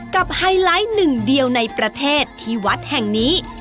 ไฮไลท์หนึ่งเดียวในประเทศที่วัดแห่งนี้